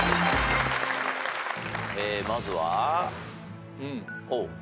まずは。